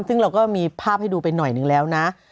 ซึ่งเราก็มีภาพให้ดูไปหน่อยนึงแล้วนะ